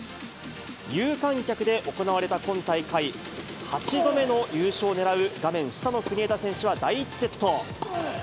有観客で行われた今大会、８度目の優勝を狙う画面下の国枝選手は第１セット。